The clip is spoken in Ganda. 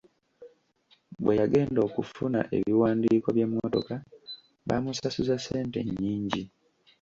Bwe yagenda okufuna ebiwandiiko by'emmotoka baamusasuza ssente nnyingi.